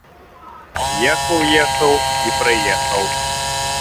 Ехаў, ехаў, і прыехаў.